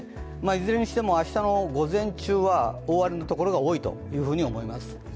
いずれにしても、明日の午前中は大荒れのところは多いと思います。